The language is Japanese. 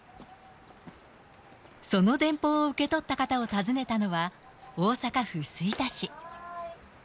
その電報を受け取った方を訪ねたのは、大阪府吹田市。